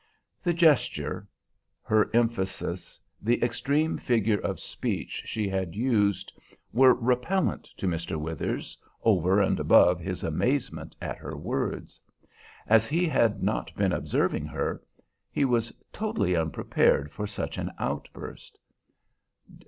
The gesture, her emphasis, the extreme figure of speech she had used, were repellent to Mr. Withers over and above his amazement at her words. As he had not been observing her, he was totally unprepared for such an outburst.